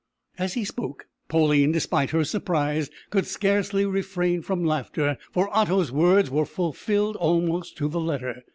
As he spoke, Pauline, despite her surprise, could scarcely refrain from laughter, for Otto's words were fulfilled almost to the letter.